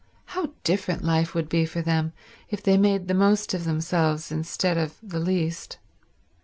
How different life would be for them if they made the most of themselves instead of the least.